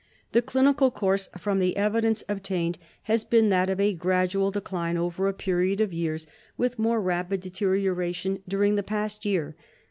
The clinical course, from the evidence obtained, has been that of a gradual decline over a period of years, with more rapid deterioration during the past year.